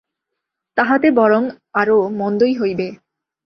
তাহাতে বরং আরও মন্দই হইবে।